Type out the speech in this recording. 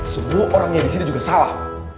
semua orang yang di sini juga salah